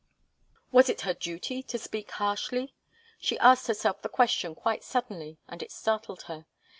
Was it her duty to speak harshly? She asked herself the question quite suddenly, and it startled her.